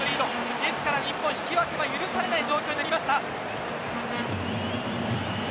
ですから日本、引き分けは許されない状況になりました。